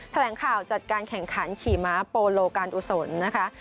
แถลงข่าวจัดการแข่งขันขี่ม้าโปโลการกุศลนะคะ